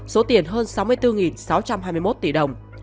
số tiền hơn sáu mươi bốn sáu trăm hai mươi một tỷ đồng